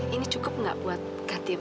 ini cukup gak buat ganti rugi